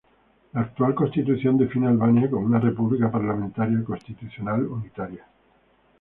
La actual constitución define Albania como una república parlamentaria constitucional unitaria.